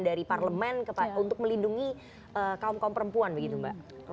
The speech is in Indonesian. dari parlemen untuk melindungi kaum kaum perempuan begitu mbak